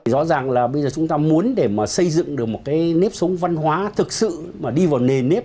rõ ràng là bây giờ chúng ta muốn để mà xây dựng được một cái nếp sống văn hóa thực sự mà đi vào nề nếp